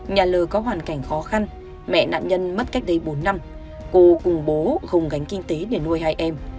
nhà lờ có hoàn cảnh khó khăn mẹ nạn nhân mất cách đây bốn năm cô cùng bố hồng gánh kinh tế để nuôi hai em